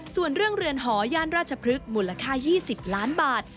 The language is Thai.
ส่วนเรื่องเรือนหอย่านราชพฤกษ์มูลค่า๒๐ล้านบาท